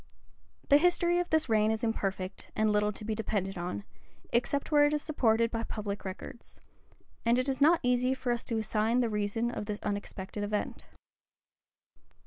The history of this reign is imperfect, and little to be depended on, except where it is supported by public records; and it is not easy for us to assign the reason of this unexpected event.